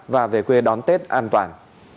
và về quê đón tết an toàn